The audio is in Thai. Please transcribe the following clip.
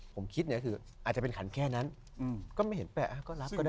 ผมคิดเนี่ยคืออาจจะเป็นขันแค่นั้นก็ไม่เห็นแปลกก็รับก็ได้